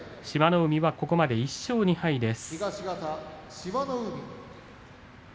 海はここまで１勝２敗です。